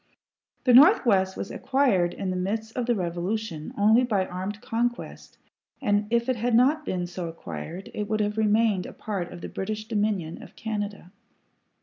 The Northwest was acquired in the midst of the Revolution only by armed conquest, and if it had not been so acquired, it would have remained a part of the British Dominion of Canada.